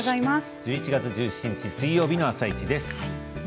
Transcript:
１１月１７日水曜日の「あさイチ」です。